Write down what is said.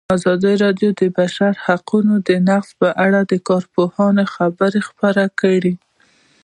ازادي راډیو د د بشري حقونو نقض په اړه د کارپوهانو خبرې خپرې کړي.